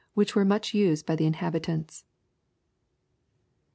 which were much used by the inhabitants.